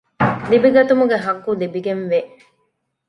ލިބިގަތުމުގެ ޙައްޤު ލިބިގެންވޭ